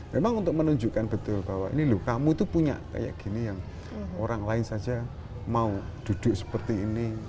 memang untuk menunjukkan betul bahwa ini loh kamu tuh punya kayak gini yang orang lain saja mau duduk seperti ini